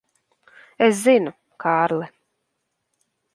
Es zinu, Kārli.